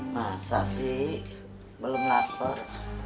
masa sih belum lapar